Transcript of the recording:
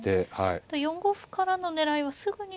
４五歩からの狙いはすぐには。